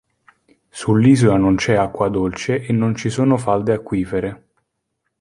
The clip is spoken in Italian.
Sull'isola non c'è acqua dolce e non ci sono falde acquifere.